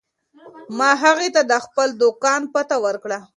ما هغې ته د خپل دوکان پته ورکړه.